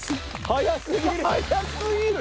早すぎるよ。